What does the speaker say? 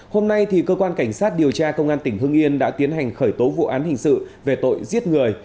hôm nay cơ quan cảnh sát điều tra công an tỉnh hưng yên đã tiến hành khởi tố vụ án hình sự về tội giết người